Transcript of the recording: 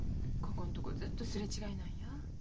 ここんとこずっと擦れ違いなんや。